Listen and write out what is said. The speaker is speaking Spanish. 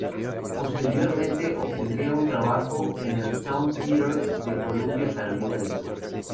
Posteriormente, obtendría un trabajo en el Town Theatre de Columbia, Carolina del Sur.